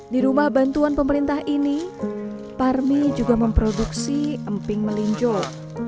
di rumah bantuan pemerintah ini parmi juga memproduksi emping melinjol